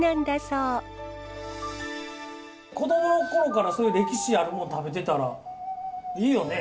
子供の頃からそういう歴史あるもの食べてたらいいよね。